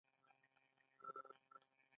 سترګې دقیق کیمرې دي.